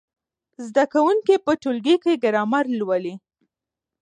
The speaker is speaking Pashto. زده کوونکي په ټولګي کې ګرامر لولي.